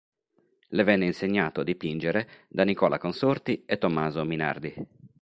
Le venne insegnato a dipingere da Nicola Consorti e Tommaso Minardi.